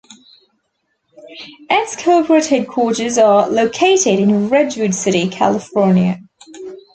Its corporate headquarters are located in Redwood City, California.